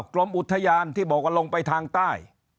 กรมอุทยานที่บอกว่าลงไปทางใต้